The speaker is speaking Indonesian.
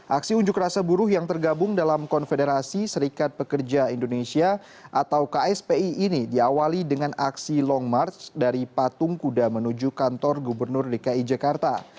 aksi unjuk rasa buruh yang tergabung dalam konfederasi serikat pekerja indonesia atau kspi ini diawali dengan aksi long march dari patung kuda menuju kantor gubernur dki jakarta